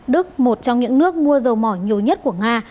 đức một trong những nước mua dầu mỏ nhiều nhất của nga